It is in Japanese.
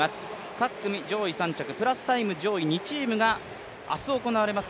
各組上位３着、プラスタイム上位２チームが明日行われます